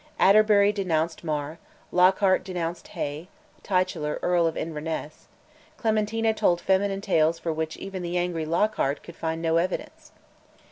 Atterbury denounced Mar, Lockhart denounced Hay (titular Earl of Inverness), Clementina told feminine tales for which even the angry Lockhart could find no evidence.